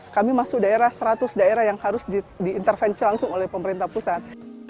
kami masuk daerah seratus daerah yang harus diintervensi langsung oleh pemerintah pusat